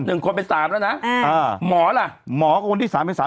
หนึ่งคนเป็นสามแล้วนะอ่าอ่าหมอล่ะหมอก็คนที่สามเป็นสาม